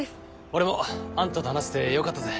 俺もあんたと話せてよかったぜ。